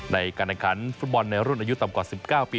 ในการแข่งขันฟุตบอลในรุ่นอายุต่ำกว่า๑๙ปี